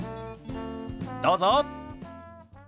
どうぞ。